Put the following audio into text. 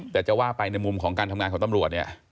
แต่จะว่าไปในมุมของการทำงานของตำรวจเนี่ย